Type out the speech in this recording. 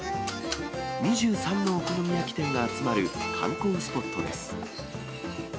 ２３のお好み焼き店が集まる観光スポットです。